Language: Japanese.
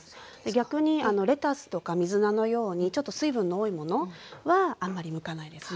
逆にレタスとか水菜のようにちょっと水分の多いものはあんまり向かないですね。